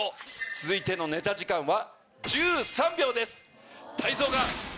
続いてのネタ時間は。